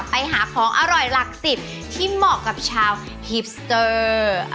ไปหาของอร่อยหลักสิบที่เหมาะกับชาวฮิปสเตอร์